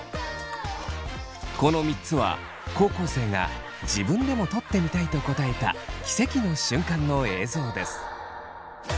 この３つは高校生が自分でも撮ってみたいと答えたキセキの瞬間の映像です。